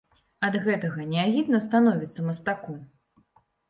Ад гэтага не агідна становіцца мастаку?